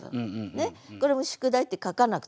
これも「宿題」って書かなくても分かる。